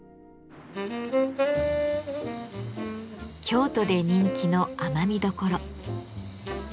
京都で人気の甘味どころ。